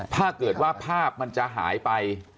ถ้าเกิดว่าภาพมันจะหายไป